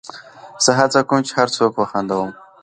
زه هڅه کوم، چي هر څوک وخندوم.